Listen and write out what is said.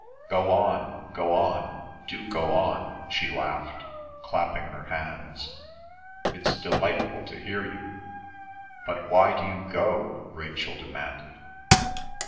"Go on, go on, do go on," she laughed, clapping her hands. "It's delightful to hear you!" "But why do you go?" Rachel demanded.